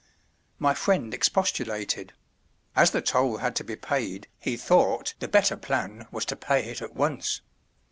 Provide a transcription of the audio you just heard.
My friend expostulated; as the toll had to be paid, he thought the better plan was to pay it at once.